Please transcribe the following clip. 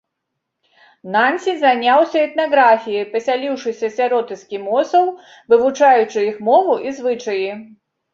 Нансен заняўся этнаграфіяй, пасяліўшыся сярод эскімосаў, вывучаючы іх мову і звычаі.